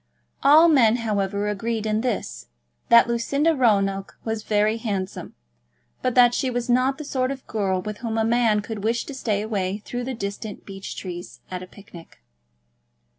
All men, however, agreed in this, that Lucinda Roanoke was very handsome, but that she was not the sort of girl with whom a man would wish to stray away through the distant beech trees at a picnic.